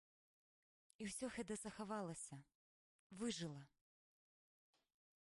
І усё гэта захавалася, выжыла.